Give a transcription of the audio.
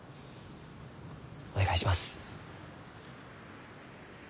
お願いします。